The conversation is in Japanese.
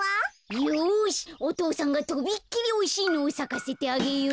よしおとうさんがとびっきりおいしいのをさかせてあげよう。